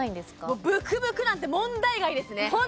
もうブクブクなんて問題外ですね